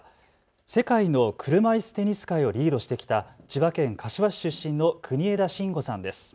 世界の車いすテニス界をリードしてきた千葉県柏市出身の国枝慎吾さんです。